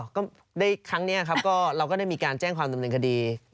ก็ได้ครั้งนี้ครับเราก็ได้มีการแจ้งความดำเนินคดี